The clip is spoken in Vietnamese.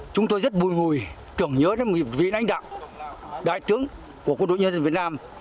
chúng tôi rất buồn ngùi tưởng nhớ đến một vị lãnh đạo đại tướng của quân đội nhân dân việt nam